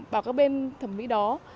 bảo các bên thẩm mỹ đó